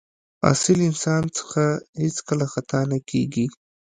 اصیل انسان څخه هېڅکله خطا نه کېږي.